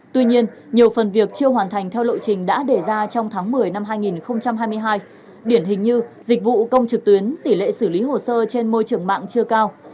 tuy nhiên nhiều phần việc chưa hoàn thành theo lộ trình đã đề ra trong tháng một mươi năm hai nghìn hai mươi hai điển hình như dịch vụ công trực tuyến tỷ lệ xử lý hồ sơ trên môi trường mạng chưa cao